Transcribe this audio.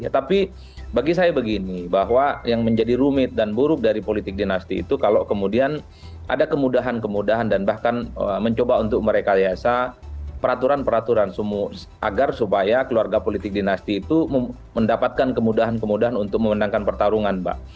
tapi bagi saya begini bahwa yang menjadi rumit dan buruk dari politik dinasti itu kalau kemudian ada kemudahan kemudahan dan bahkan mencoba untuk merekayasa peraturan peraturan agar supaya keluarga politik dinasti itu mendapatkan kemudahan kemudahan untuk memenangkan pertarungan mbak